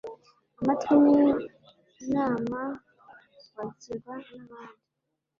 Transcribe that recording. amatwi n'inama bagirwa n'abandi